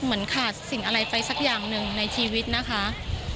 เหมือนขาดสิ่งอะไรไปสักอย่างหนึ่งในชีวิตนะคะ